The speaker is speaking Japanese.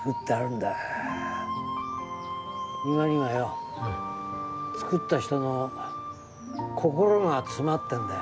庭にはよ作った人の心が詰まってんだよ。